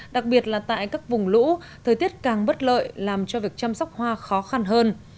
đặc biệt là tại các vùng lũ thời tiết càng bất lợi làm cho việc chăm sóc hoa khó khăn hơn